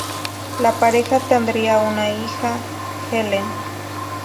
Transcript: La pareja tendría una hija, Helen.